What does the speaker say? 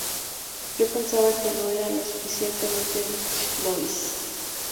Yo pensaba que no era lo suficientemente 'Beach Boys'".